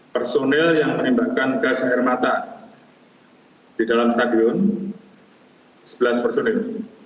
personil yang menembakkan gas air mata di dalam stadion sebelas personil